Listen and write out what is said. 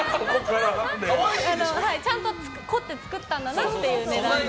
可愛いでしょ？ちゃんと凝って作ったんだなっていう値段で。